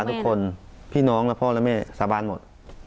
ทุกคนพี่น้องและพ่อและแม่สาบานหมด